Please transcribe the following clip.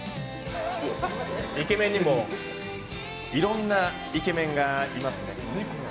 イケメンにもいろんなイケメンがいますね。